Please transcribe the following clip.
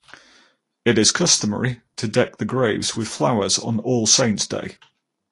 It is customary to deck the graves with flowers on All Saints' Day.